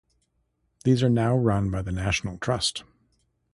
These are now run by the National Trust.